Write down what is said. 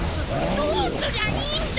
どうすりゃいいんだ！